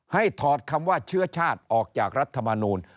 ถอดคำว่าเชื้อชาติออกจากรัฐมนูล